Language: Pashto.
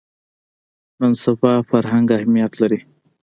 نن سبا فرهنګ اهمیت لري